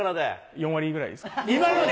４割ぐらいですかね。